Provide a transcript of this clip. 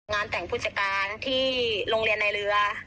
งานแต่งพุธศการที่โรงเรียนในเรือ